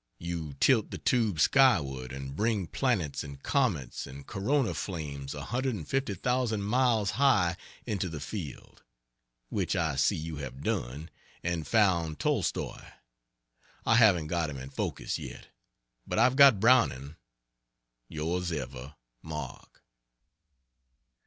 You tilt the tube skyward and bring planets and comets and corona flames a hundred and fifty thousand miles high into the field. Which I see you have done, and found Tolstoi. I haven't got him in focus yet, but I've got Browning.... Ys Ever MARK.